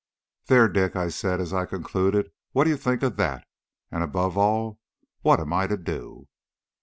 "There, Dick," I said, as I concluded, "what do you think of that? and, above all, what am I to do?"